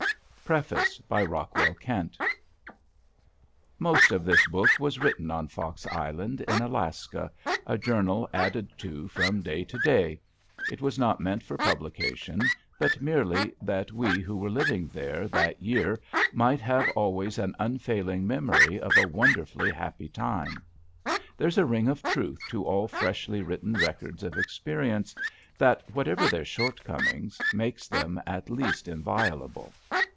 PREFACE Most of this book was written on Fox Island in Alaska, a journal added to from day to day. It was not meant for publication but merely that we who were living there that year might have always an unfailing memory of a wonderfully happy time. There's a ring of truth to all freshly written records of experience that, whatever their shortcomings, makes them at least inviolable.